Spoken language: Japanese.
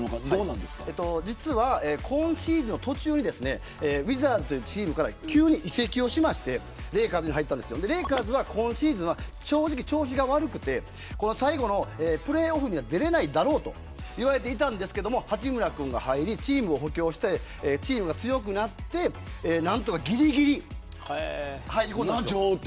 実は今シーズンの途中にウィザーズというチームから急に移籍をしましてレイカーズは今シーズンは正直調子が悪くて最後のプレーオフに出られないだろうと言われていましたが八村君が入り、チームを補強して強くなって何とかぎりぎり入り込みました。